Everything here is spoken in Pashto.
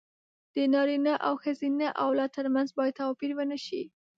د نارينه او ښځينه اولاد تر منځ بايد توپير ونشي.